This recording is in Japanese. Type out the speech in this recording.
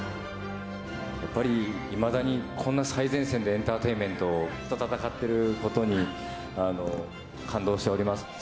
やっぱりいまだにこんな最前線でエンタテインメントと戦ってることに、感動しております。